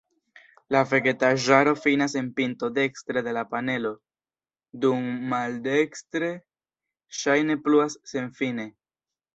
La vegetaĵaro finas en pinto dekstre de la panelo, dum maldekstre ŝajne pluas senfine.